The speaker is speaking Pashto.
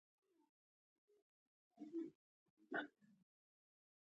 د لیمو جوس محلول او د صابون محلول ور زیات کړئ.